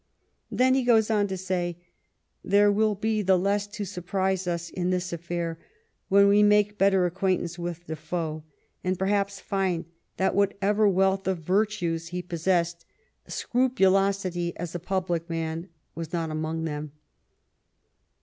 Then he goes on to say :" There will be the less to surprise us in this affair when we make better acquaintance with Defoe, and perhaps find that, whatever wealth of virtues he possessed, scrupulosity as a public man was not among them."